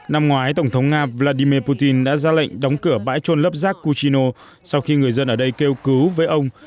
năm ngoái tổng thống nga vladimir putin đã ra lệnh đóng cửa bãi trôn lấp rác kuchino sau khi người dân ở đây kêu cứu với ông